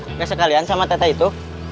nggak sekalian sama tete itu